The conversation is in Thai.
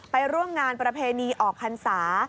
ไปร่วมงานประเพณีออกพรรษา